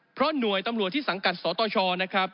เพราะหน่วยตำรวจที่สังกัดสตชนะครับ